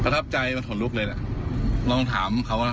ตามมาส่วนของเรา